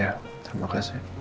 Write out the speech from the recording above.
ya terima kasih